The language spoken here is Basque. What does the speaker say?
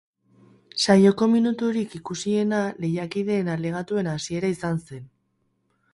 Saioko minuturik ikusiena lehiakideen alegatuen hasiera izan zen.